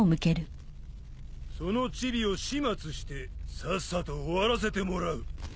そのチビを始末してさっさと終わらせてもらう。